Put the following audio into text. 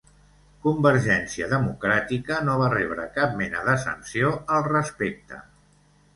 Convergència Democràtica no va rebre cap mena de sanció al respecte.